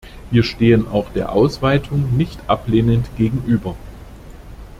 Wir stehen auch der Ausweitung nicht ablehnend gegenüber.